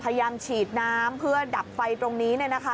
พยายามฉีดน้ำเพื่อดับไฟตรงนี้